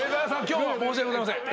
今日は申し訳ございません。